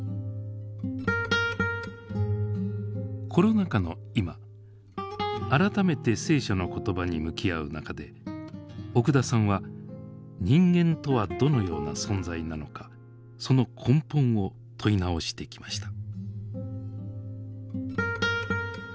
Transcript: コロナ禍の今改めて聖書の言葉に向き合う中で奥田さんは人間とはどのような存在なのかその根本を問い直してきました。